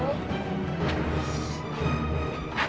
kau lupa di mana sita